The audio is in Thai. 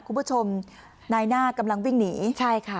คุณผู้ชมนายหน้ากำลังวิ่งหนีใช่ค่ะ